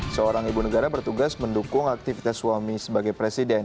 seorang ibu negara bertugas mendukung aktivitas suami sebagai presiden